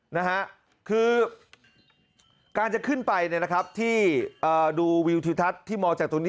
นะฮะคือการจะขึ้นไปเนี่ยนะครับที่ดูวิวทิวทัศน์ที่มองจากตรงนี้